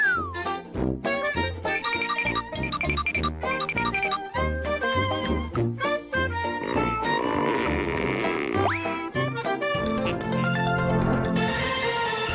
โปรดติดตามตอนต่อไป